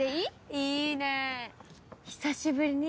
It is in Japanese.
いいね久しぶりに。